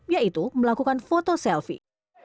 yaitu melakukan foto selfie